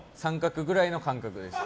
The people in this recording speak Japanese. △くらいの感覚でした。